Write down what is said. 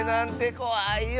こわいよ。